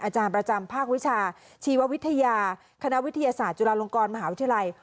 อาจารย์ประจำภาควิชาชีววิทยาคณะวิทยาศาสตร์จุฬาลงกรมหาวิทยาลัย